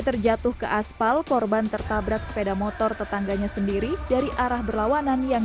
terjatuh ke aspal korban tertabrak sepeda motor tetangganya sendiri dari arah berlawanan yang